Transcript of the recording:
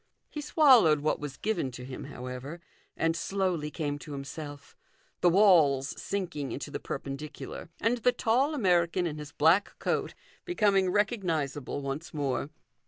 He swal lowed what was given to him, however, and slowly came to himself the walls sinking into the perpendicular, and the tall American in his black coat becoming recognizable once i more.